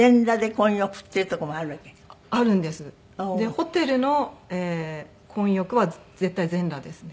ホテルの混浴は絶対全裸ですね。